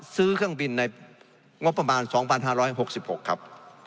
ซื้อเครื่องบินในงบประมาณ๒๕๖๖ครับ